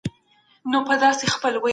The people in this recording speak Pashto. لوستل د مغزو تمرين دی.